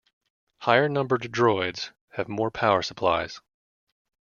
Higher-numbered droids have more power supplies.